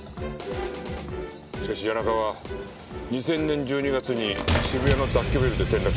しかし谷中は２０００年１２月に渋谷の雑居ビルで転落死。